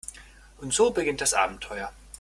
Und so beginnt das Abenteuer.